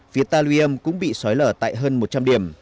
phía ta lui âm cũng bị xói lở tại hơn một trăm linh điểm